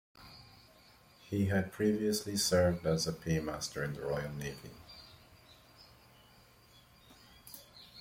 He had previously served as a paymaster in the Royal Navy.